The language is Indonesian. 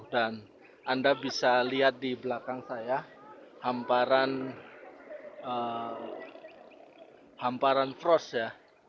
dan anda bisa lihat di belakang saya hamparan frost ya